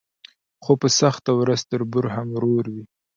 خو په سخته ورځ تربور هم ورور وي.